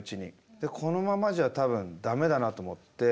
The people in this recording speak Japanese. でこのままじゃ多分駄目だなと思って。